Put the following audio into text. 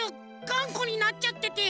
がんこになっちゃってて。